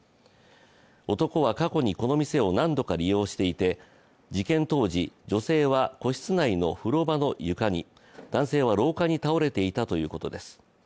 男は過去にこの店を何度か利用していて事件当時、女性は個室内の風呂場の床に、男性は廊下に倒れていたということです。